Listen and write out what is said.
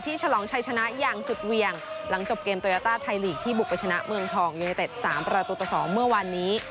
ฉลองชัยชนะอย่างสุดเวียงหลังจบเกมโตยาต้าไทยลีกที่บุกไปชนะเมืองทองยูเนเต็ด๓ประตูต่อ๒เมื่อวานนี้